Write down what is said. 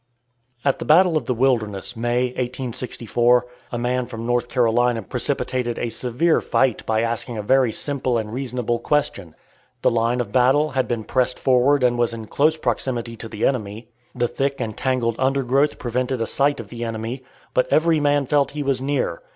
At the battle of the Wilderness, May, 1864, a man from North Carolina precipitated a severe fight by asking a very simple and reasonable question. The line of battle had been pressed forward and was in close proximity to the enemy. The thick and tangled undergrowth prevented a sight of the enemy, but every man felt he was near.